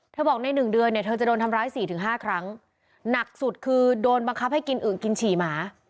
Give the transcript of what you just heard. เธอบอกใน๑เดือนเธอจะโดนทำร้าย๔๕ครั้งหนักสุดคือโดนบังคับให้กินอึ่งกินฉี่หมา